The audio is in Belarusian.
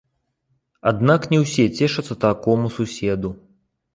Аднак не ўсе цешацца такому суседу.